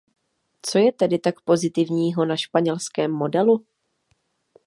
Co je tedy tak pozitivního na španělském modelu?